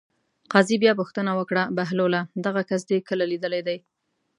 قاضي بیا پوښتنه وکړه: بهلوله دغه کس دې کله لیدلی دی.